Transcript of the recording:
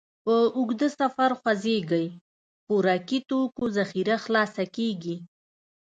په اوږده سفر خوځېږئ، خوراکي توکو ذخیره خلاصه کېږي.